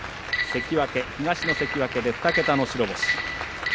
東の関脇で２桁の白星。